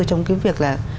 trong cái việc là